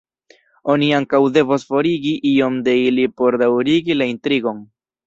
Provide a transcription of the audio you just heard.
Oni ankaŭ devos forigi iom de ili por daŭrigi la intrigon.